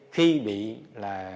khi bị là